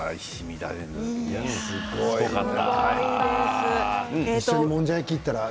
すごかった。